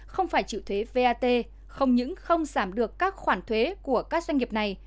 không phải chịu thuế vat không những không giảm được các khoản thuế của các doanh nghiệp này